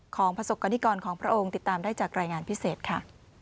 ประสบกรณิกรของพระองค์ติดตามได้จากรายงานพิเศษค่ะ